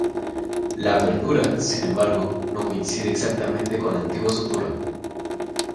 La apertura, sin embargo, no coincide exactamente con la antigua sutura.